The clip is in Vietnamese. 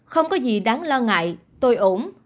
không có gì đáng lo ngại tôi ổn